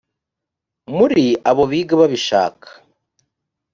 muri abo biga babishaka